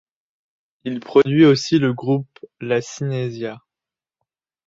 Il produit aussi le groupe la Synesia.